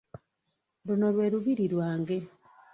Luno lwe Lubiri lwange.